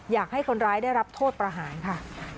อยากให้คนร้ายได้รับโทษประหารค่ะ